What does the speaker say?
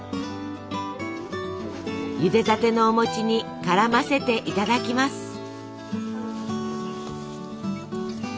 ゆでたてのお餅にからませていただきます。